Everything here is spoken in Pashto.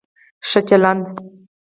ښه چلند